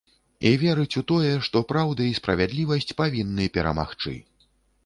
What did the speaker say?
І верыць у тое, што праўда і справядлівасць павінны перамагчы.